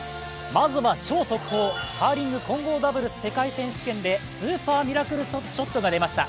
まずは超速報、カーリング混合ダブルスの世界選手権でスーパーミラクルショットが出ました。